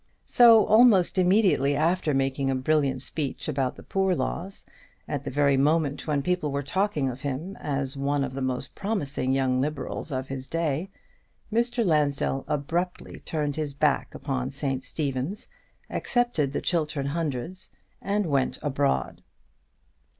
So, almost immediately after making a brilliant speech about the poor laws, at the very moment when people were talking of him as one of the most promising young Liberals of his day, Mr. Lansdell abruptly turned his back upon St. Stephen's, accepted the Chiltern Hundreds, and went abroad.